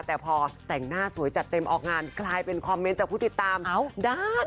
แต่พอแต่งหน้าสวยจัดเต็มออกงานกลายเป็นคอมเมนต์จากผู้ติดตามด้าน